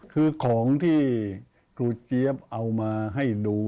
คือของที่ครูเจี๊ยบเอามาให้ดู